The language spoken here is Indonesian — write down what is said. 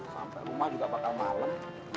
sampai rumah juga bakal malam